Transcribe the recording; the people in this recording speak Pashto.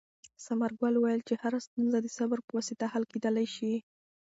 ثمرګل وویل چې هره ستونزه د صبر په واسطه حل کېدلای شي.